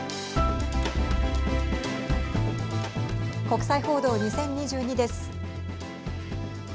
国際報道２０２２です。